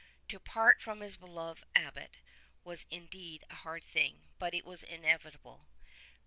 To part from his beloved Abbot was indeed a hard thing, but it was inevitable.